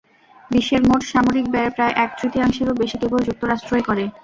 বিশ্বের মোট সামরিক ব্যয়ের প্রায় এক-তৃতীয়াংশেরও বেশি কেবল যুক্তরাষ্ট্রই করে।